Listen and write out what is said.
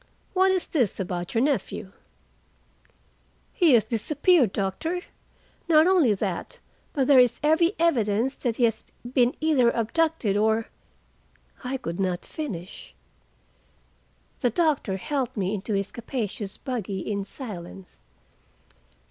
What is this about your nephew?" "He has disappeared, doctor. Not only that, but there is every evidence that he has been either abducted, or—" I could not finish. The doctor helped me into his capacious buggy in silence.